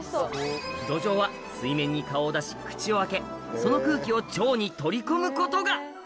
ドジョウは水面に顔を出し口を開けその空気を腸に取り込むことが！